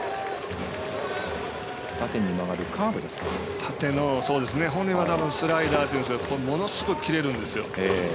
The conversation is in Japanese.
縦の、本人はスライダーというんですけどものすごい切れるんですよ。